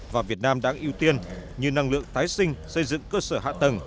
và việt nam đang ưu tiên như năng lượng tái sinh xây dựng cơ sở hạ tầng